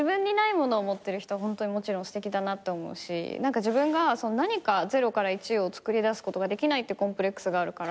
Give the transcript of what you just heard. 自分が０から１をつくり出すことができないってコンプレックスがあるから。